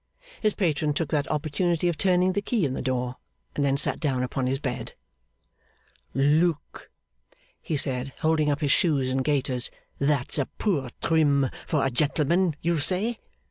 His patron took that opportunity of turning the key in the door, and then sat down upon his bed. 'Look!' he said, holding up his shoes and gaiters. 'That's a poor trim for a gentleman, you'll say.